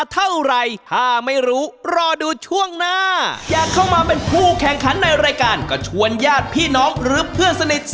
เท่าไหร่ถ้าไม่รู้